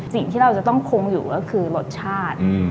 สิ่งที่เราจะต้องคงอยู่ก็คือรสชาติ